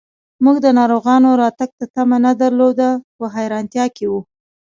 موږ د ناروغانو راتګ ته تمه نه درلوده، په حیرانتیا کې و.